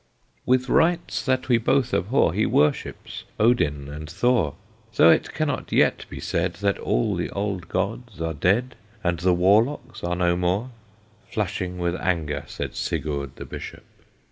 "With rites that we both abhor, He worships Odin and Thor; So it cannot yet be said, That all the old gods are dead, And the warlocks are no more," Flushing with anger Said Sigurd the Bishop.